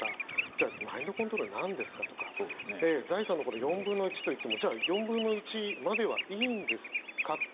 じゃあマインドコントロールとは何ですか？とか財産の４分の１といっても４分の１まではいいんですかと。